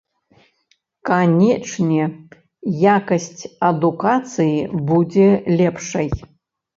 Канешне, якасць адукацыі будзе лепшай.